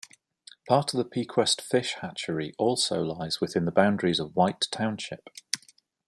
Part of the Pequest Fish Hatchery also lies within the boundaries of White Township.